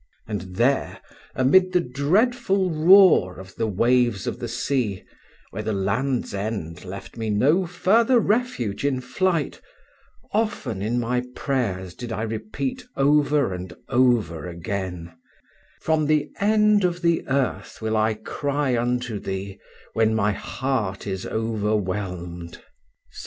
And there, amid the dreadful roar of the waves of the sea, where the land's end left me no further refuge in flight, often in my prayers did I repeat over and over again: "From the end of the earth will I cry unto Thee, when my heart is overwhelmed" (Ps.